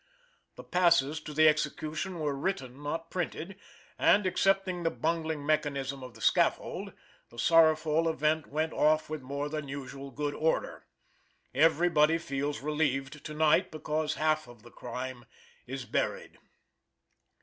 The passes to the execution were written not printed, and, excepting the bungling mechanism of the scaffold, the sorrowful event went off with more than usual good order. Every body feels relieved to night, because half of the crime is buried.